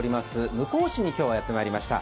向日市に今日はやってまいりました。